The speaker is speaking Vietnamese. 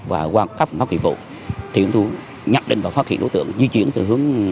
và qua các phòng phát triển vụ thì chúng tôi nhắc định và phát hiện đối tượng di chuyển từ hướng